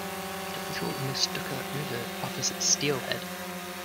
The Little Nestucca River offers steelhead.